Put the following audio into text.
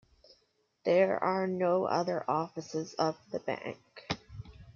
There are no other offices of the bank.